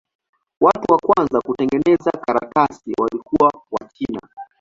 Watu wa kwanza kutengeneza karatasi walikuwa Wachina.